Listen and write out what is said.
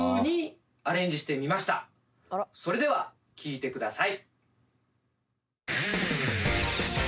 それでは聞いてください